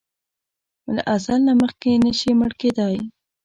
له اځل نه مخکې نه شې مړ کیدای!